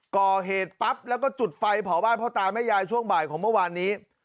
ก่อเหตุปั๊บแล้วก็จุดไฟเผาบ้านพ่อตาแม่ยายช่วงบ่ายของเมื่อวานนี้